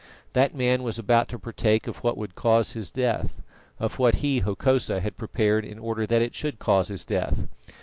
That man was about to partake of what would cause his death of what he, Hokosa, had prepared in order that it should cause his death.